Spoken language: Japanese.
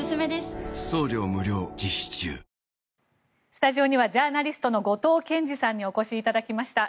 スタジオにはジャーナリストの後藤謙次さんにお越しいただきました。